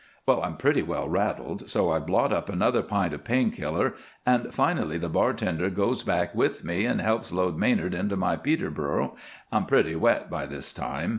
"Well, I'm pretty well rattled, so I blot up another pint of pain killer, and finally the bartender goes back with me and helps load Manard into my Peterboro. I'm pretty wet by this time.